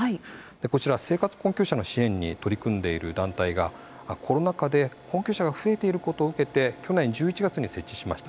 こちら生活困窮者の支援に取り組んでいる団体がコロナ禍で困窮者が増えていることを受けて去年１１月に設置しました。